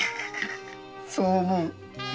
そう思う？